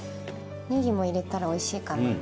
ネギも入れたらおいしいかなと。